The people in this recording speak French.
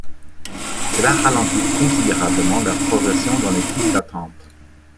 Cela ralentit considérablement leur progression dans les files d'attente.